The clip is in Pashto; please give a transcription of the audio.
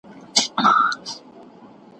د خلګوله نادانۍ ګټه مه اخلئ.